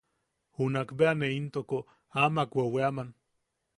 Junakbea ne intoko amak weweaman.